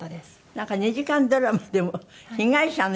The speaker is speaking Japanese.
なんか２時間ドラマでも被害者の役ばっかり。